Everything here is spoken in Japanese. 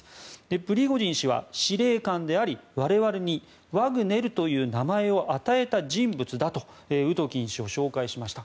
プリゴジン氏は、司令官であり我々にワグネルという名前を与えた人物だとウトキン氏を紹介しました。